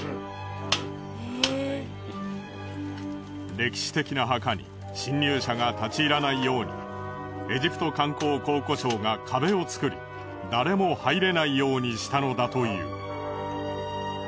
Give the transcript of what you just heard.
歴史的な墓に侵入者が立ち入らないようにエジプト観光・考古省が壁を作り誰も入れないようにしたのだという。